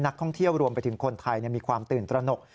ท่องเที่ยวรวมไปถึงคนไทยมีความตื่นตระหนก